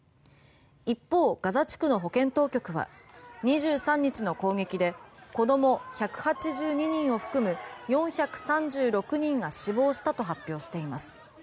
一方ガザ地区の保健当局は２３日の攻撃で子供１８２人を含む４３６人が死亡したと発表しています。